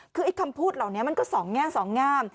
คือไอ้คำพูดเหล่านี้มันก็สองแง่สองงาม